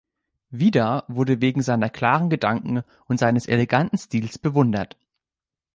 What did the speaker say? Vida wurde wegen seiner klaren Gedanken und seines eleganten Stils bewundert.